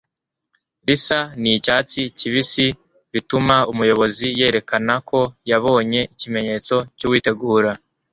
risa n icyatsi kibisi bituma umuyobozi yerekana ko yabonye ikimenyetso cy uwitegura